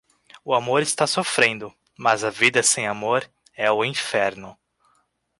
O amor está sofrendo, mas a vida sem amor é o inferno.